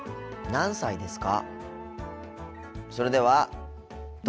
何歳ですか？